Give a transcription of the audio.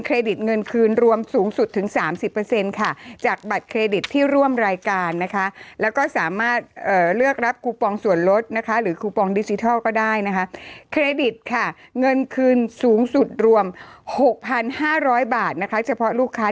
เงินคืนรวมสูงสุดถึงสามสิบเปอร์เซ็นต์ค่ะจากบัตรเครดิตที่ร่วมรายการนะคะแล้วก็สามารถเลือกรับคูปองส่วนลดนะคะหรือคูปองดิจิทัลก็ได้นะคะเครดิตค่ะเงินคืนสูงสุดรวม๖๕๐๐บาทนะคะเฉพาะลูกค้า